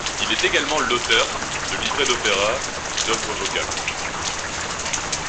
Il est également l'auteur de livrets d'opéras ou d'œuvres vocales.